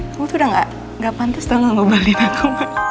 kamu tuh udah gak pantas dong gak ngebalin aku